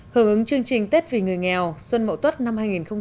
hưởng ứng chương trình tết vì người nghèo xuân mậu tuất năm hai nghìn một mươi tám